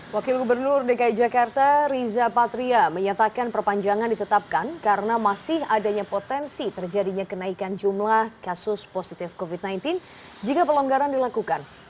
wakil gubernur dki jakarta riza patria menyatakan perpanjangan ditetapkan karena masih adanya potensi terjadinya kenaikan jumlah kasus positif covid sembilan belas jika pelonggaran dilakukan